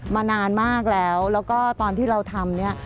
มานานมากแล้วแล้วก็ตอนที่เราทำเนี่ย